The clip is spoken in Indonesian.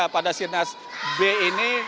pada sirnas b ini